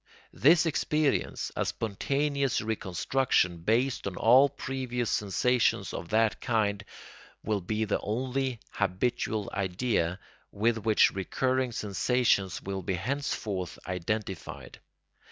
This experience, a spontaneous reconstruction based on all previous sensations of that kind, will be the one habitual idea with which recurring sensations will be henceforth identified.